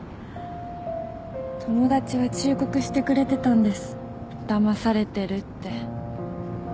友達は忠告してくれてたんですだまされてるって。